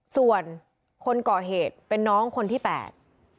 ส่วนคนก่อเหตุเป็นน้องคนที่แปด